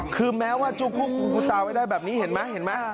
คือแม้ว่าจุกคุกคุณตาไว้ได้แบบนี้เห็นไหม